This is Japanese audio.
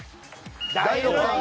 大六さん。